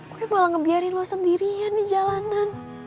gue malah ngebiarin lo sendirian di jalanan